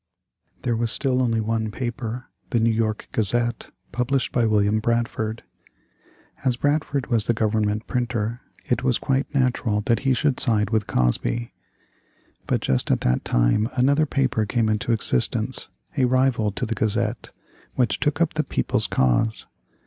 There was still only one paper, the New York Gazette, published by William Bradford. As Bradford was the Government printer, it was quite natural that he should side with Cosby. But just at this time another paper came into existence, a rival to the Gazette, which took up the people's cause.